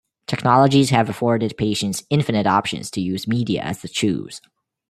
Technologies have afforded patients infinite options to use media as the choose.